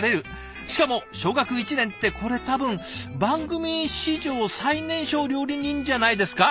しかも小学１年ってこれ多分番組史上最年少料理人じゃないですか？